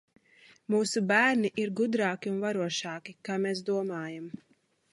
Mūsu bērni ir gudrāki un varošāki, kā mēs domājam!